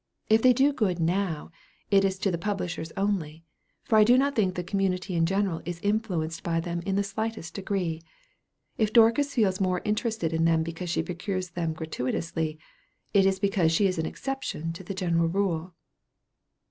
If they do good now, it is to the publishers only; for I do not think the community in general is influenced by them in the slightest degree. If Dorcas feels more interested in them because she procures them gratuitously, it is because she is an exception to the general rule."